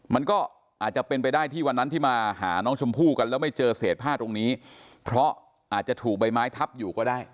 มันก็อาจจะเป็นไปได้ที่วันนั้นที่มาหาน้องชมพู่กันแล้วไม่เจอเศษผ้าตรงนี้เพราะอาจจะถูกใบไม้ทับอยู่ก็ได้